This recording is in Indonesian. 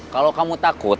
kalau kamu takut